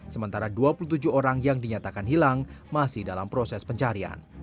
sementara dua puluh tujuh orang yang dinyatakan hilang masih dalam proses pencarian